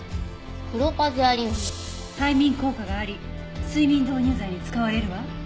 催眠効果があり睡眠導入剤に使われるわ。